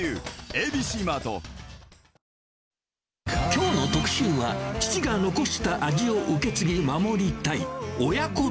きょうの特集は、父が残した味を受け継ぎ、守りたい。